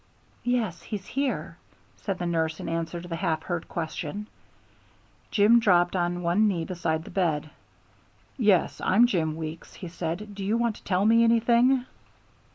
"Yes, he's here," said the nurse in answer to the half heard question. Jim dropped on one knee beside the bed. "Yes, I'm Jim Weeks," he said. "Do you want to tell me anything?"